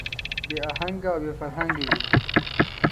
بې اهنګه او بې فرهنګه وي.